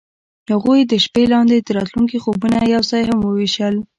هغوی د شپه لاندې د راتلونکي خوبونه یوځای هم وویشل.